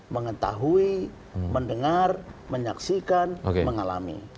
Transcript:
mengetahui mendengar menyaksikan mengalami